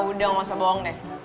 udah ga usah bohong deh